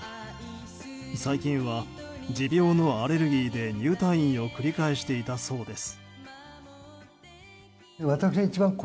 最近は持病のアレルギーで入退院を繰り返していたそうです。